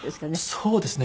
そうですね。